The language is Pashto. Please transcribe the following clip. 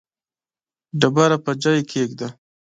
ډبره پر ځای کښېږده.